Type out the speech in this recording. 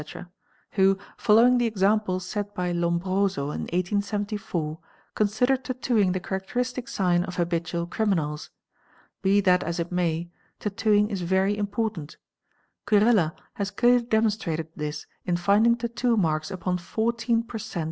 who, following the example set by Lombroso in 1874, consider tattooing the characteristic sign of habitual criminals. Be that as it may, tattoo ing is very important; Kurella @ has clearly demonstrated this in finding tattoo marks upon 14 per cent.